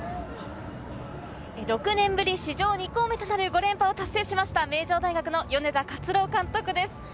６年ぶり史上２校目となる５連覇を達成しました名城大学の米田勝朗監督です。